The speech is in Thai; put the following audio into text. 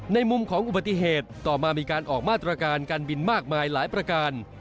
ในมุมของอุบัติเหตุต่อมามีการออกมาตรการการบินมากมายหลายประการ